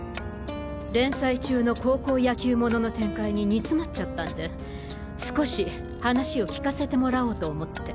連載中の高校野球物の展開に煮詰まっちゃったんで少し話を聞かせてもらおうと思って。